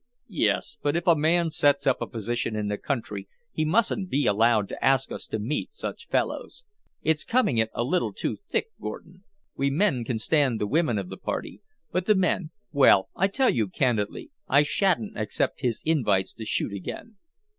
"Yes, but if a man sets up a position in the country he mustn't be allowed to ask us to meet such fellows. It's coming it a little too thick, Gordon. We men can stand the women of the party, but the men well, I tell you candidly, I shan't accept his invites to shoot again."